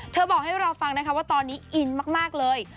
บอกให้เราฟังนะคะว่าตอนนี้อินมากเลย